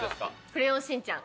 クレヨンしんちゃん。